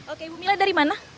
oke ibu mila dari mana